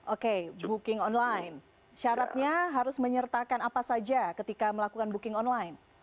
oke booking online syaratnya harus menyertakan apa saja ketika melakukan booking online